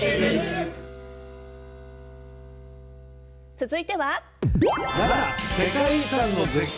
続いては。